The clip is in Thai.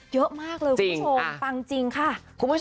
เยอะมากเลยคุณผู้ชมจริงค่ะฟังจริงค่ะ